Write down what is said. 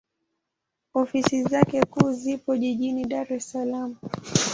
Ofisi zake kuu zipo Jijini Dar es Salaam.